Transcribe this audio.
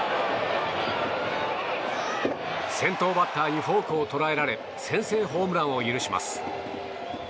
先頭バッターにフォークをとらえられ先制ホームランを許します。